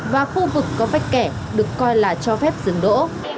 và khu vực có vách kẻ được coi là cho phép dừng đỗ